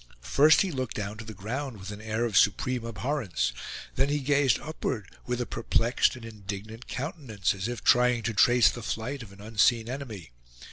First he looked down to the ground with an air of supreme abhorrence; then he gazed upward with a perplexed and indignant countenance, as if trying to trace the flight of an unseen enemy.